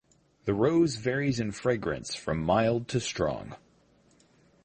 The rose varies in fragrance from mild to strong.